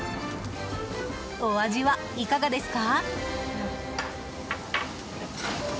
お味はいかがですか？